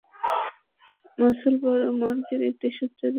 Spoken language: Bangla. মসুল মর্গের একটি সূত্র জানিয়েছে, এদিন সেখানে একটি মরদেহ আনা হয়েছে।